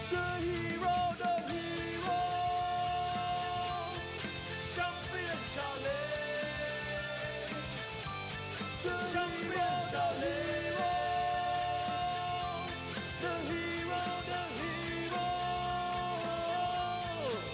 จังหวะต่อยมัดหนึ่งสองแล้วพยายามจะเสียด้วยมัดขวา